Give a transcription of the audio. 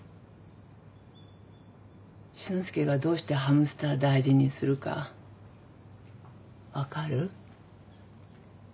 俊介がどうしてハムスター大事にするか分かる？